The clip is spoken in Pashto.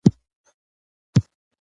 که ماشوم ته ډاډ ورکړو، نو هغه همت لری.